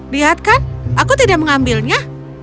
lihatkan aku tidak mengambilnya